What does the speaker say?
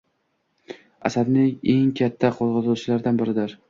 – asabni eng katta qo‘zg‘otuvchilaridan biridir.